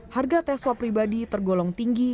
harga tes swab pribadi tergolong tinggi